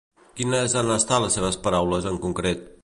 Quines han estat les seves paraules en concret?